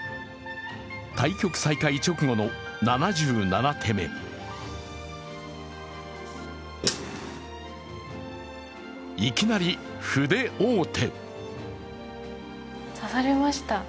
対局再開直後の７７手目にいきなり歩で王手。